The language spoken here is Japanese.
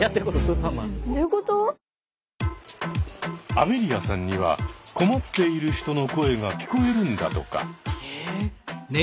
アベリアさんには困っている人の声が聞こえるんだとか。